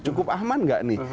cukup aman gak nih